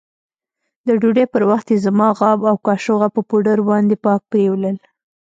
د ډوډۍ پر وخت يې زما غاب او کاشوغه په پوډرو باندې پاک پرېولل.